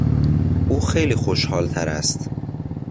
او خیلی خوشحالتر است.